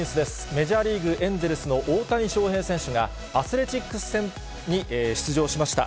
メジャーリーグ・エンゼルスの大谷翔平選手が、アスレチックス戦に出場しました。